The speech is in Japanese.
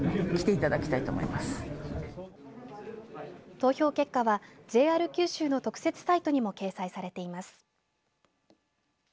投票結果はＪＲ九州の特設サイトにも掲載されています。